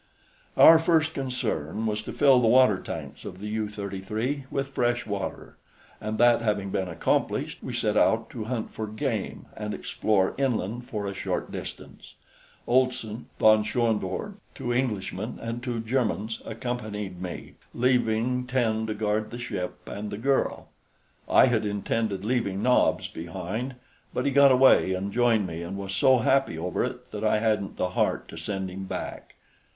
Our first concern was to fill the water tanks of the U 33 with fresh water, and that having been accomplished, we set out to hunt for game and explore inland for a short distance. Olson, von Schoenvorts, two Englishmen and two Germans accompanied me, leaving ten to guard the ship and the girl. I had intended leaving Nobs behind, but he got away and joined me and was so happy over it that I hadn't the heart to send him back.